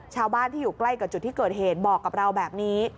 ชาวบ้านที่อยู่ใกล้กับจุดที่เกิดเหตุบอกกับเราแบบนี้